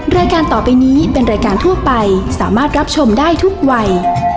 รายการต่อไปนี้เป็นรายการทั่วไปสามารถรับชมได้ทุกวัย